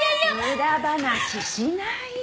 無駄話しない！